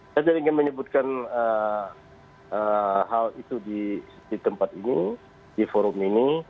saya tidak ingin menyebutkan hal itu di tempat ini di forum ini